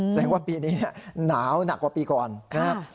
แสดงว่าปีนี้หนาวหนักกว่าปีก่อนนะครับ